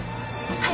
はい。